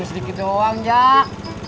buru sedikit doang cak